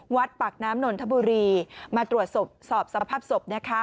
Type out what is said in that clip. วัดปากน้ำนนทบุรีมาตรวจสอบสภาพศพ